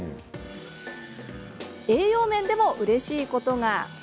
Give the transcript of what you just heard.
栄養面でもうれしいことが。